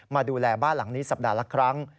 มาดูแลบ้านหลังนี้สัปดาห์ละครั้ง